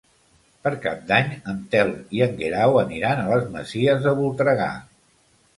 Per Cap d'Any en Telm i en Guerau aniran a les Masies de Voltregà.